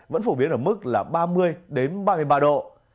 vẫn phổ biến ở mức là ba mươi đến ba mươi ba độ